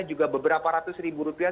juga beberapa ratus ribu rupiah